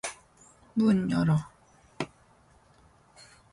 문 열어.